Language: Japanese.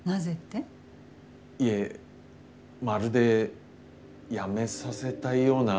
いえまるで辞めさせたいような。